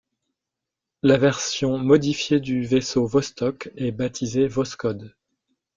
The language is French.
La version modifiée du vaisseau Vostok est baptisée Voskhod.